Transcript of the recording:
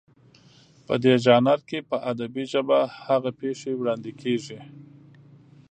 په دې ژانر کې په ادبي ژبه هغه پېښې وړاندې کېږي